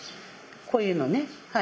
こういうのねはい。